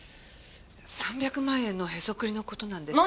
３００万円のへそくりの事なんですが。